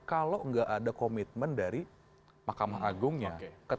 kalau nggak ada komitmen dari mahkamah agungnya